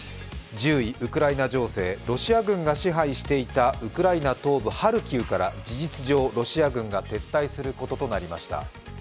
１０位、ウクライナ情勢、ロシア軍が支配していたウクライナ東部ハルキウから、事実上、ロシア軍が撤退することとなりました。